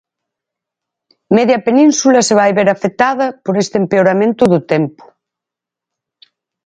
Media península se vai ver afectada por este empeoramento do tempo.